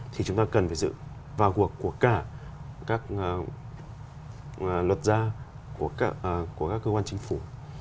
thì chúng ta cần phải sự vào cuộc của cả các luật gia của các cơ quan chính phủ